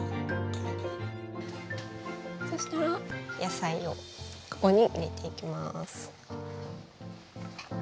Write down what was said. そしたら野菜をここに入れていきます。